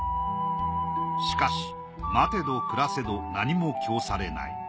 しかし待てど暮らせど何も供されない。